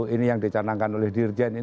ini yang dicanangkan oleh dirjen